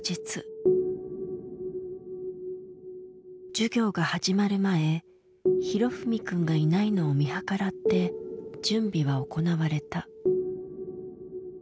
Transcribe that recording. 授業が始まる前裕史くんがいないのを見計らって準備は行われた。